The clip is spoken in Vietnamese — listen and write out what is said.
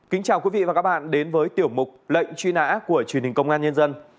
kính chào quý vị và các bạn đến với tiểu mục lệnh truy nã của truyền hình công an nhân dân